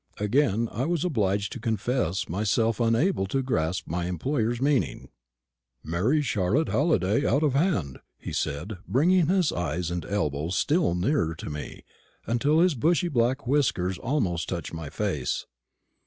Again I was obliged to confess myself unable to grasp my employer's meaning. "Marry Charlotte Halliday out of hand," he said, bringing his eyes and his elbows still nearer to me, until his bushy black whiskers almost touched my face.